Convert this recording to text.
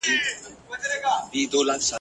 مقالې د غازي پر ژوند او فکر ليکل سوي وې.